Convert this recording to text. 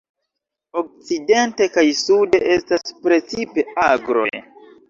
Okcidente kaj sude estas precipe agroj.